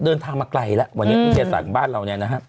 เดินทางมาไกลแล้ววันนี้พิเศษศาลบ้านเรา